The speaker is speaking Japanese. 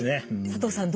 佐藤さん